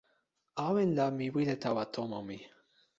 awen la mi wile tawa tomo mi.